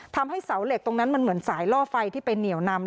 ทำให้เสาเหล็กตรงนั้นมันเหมือนสายล่อไฟที่ไปเหนียวนำ